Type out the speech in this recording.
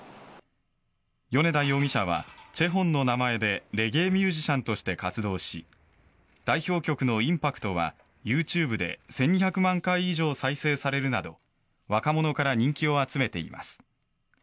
米田容疑者はＣＨＥＨＯＮの名前でレゲエミュージシャンとして活動し代表曲の「韻波句徒」はＹｏｕＴｕｂｅで１２００万回以上再生されるなど若者から人気を集めています。